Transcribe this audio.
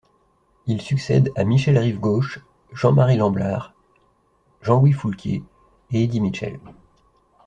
Il succède à Michel Rivgauche, Jean-Marie Lamblard, Jean-Louis Foulquier et Eddy Mitchell.